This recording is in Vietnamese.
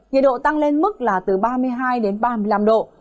nhiệt độ tăng lên mức là từ ba mươi hai đến ba mươi năm độ